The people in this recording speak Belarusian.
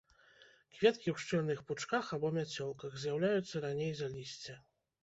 Кветкі ў шчыльных пучках або мяцёлках, з'яўляюцца раней за лісце.